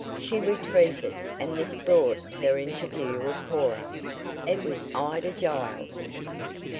She retreated, and this brought her into view of Cora. It was Ida Giles!